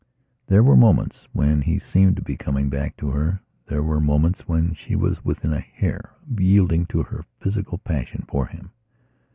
There were moments when he seemed to be coming back to her; there were moments when she was within a hair of yielding to her physical passion for him.